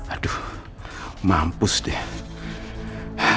aduh mampus deh